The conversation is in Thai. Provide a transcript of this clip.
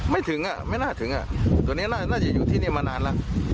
ไม่ถึงน่าถึงตัวนี้นะจัยอยู่ที่นี่มานานแล้ว